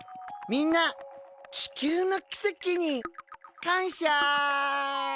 みんな地球のきせきに感謝！